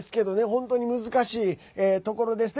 本当に難しいところです。